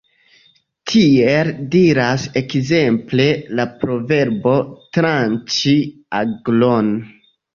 Tiel diras ekzemple la proverbo 'tranĉi aglon'.